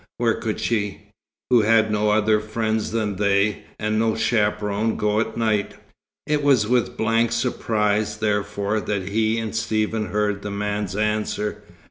Where could she, who had no other friends than they, and no chaperon, go at night? It was with blank surprise, therefore, that he and Stephen heard the man's answer.